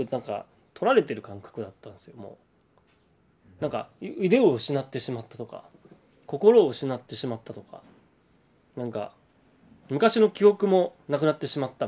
なんか腕を失ってしまったとか心を失ってしまったとか昔の記憶もなくなってしまったみたいな。